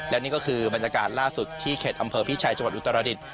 และนี่ก็คือบรรยากาศล่าสุดที่เขตอำเภอพิชัยจังหวัดอุตรดิษฐ